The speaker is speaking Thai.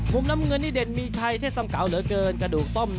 มุมนำเงินที่เด่นมีใครที่สำกราวเหลือเกิน